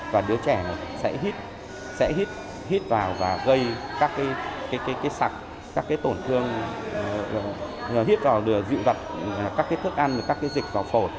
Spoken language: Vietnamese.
và đứa trẻ sẽ hít vào và gây các sạc các tổn thương hít vào dự vật các thức ăn các dịch vào phổ